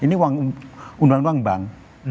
ini undang undang bank